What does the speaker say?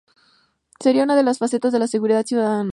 Sería una de las facetas de la seguridad ciudadana.